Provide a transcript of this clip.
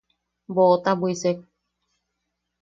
Boʼota bwisek.